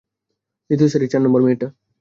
দ্বিতীয় সারির চার নম্বর মেয়েটা।